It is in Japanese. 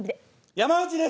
山内です！